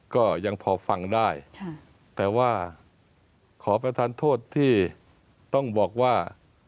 ก็ยังพอฟังได้แต่ว่าขอประทานโทษที่ต้องบอกว่า